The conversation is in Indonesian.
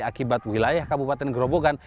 akibat wilayah kabupaten gerobogan